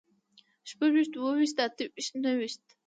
شپږويشت، اووهويشت، اتهويشت، نههويشت